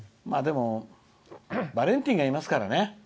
バレンティンがいますからね。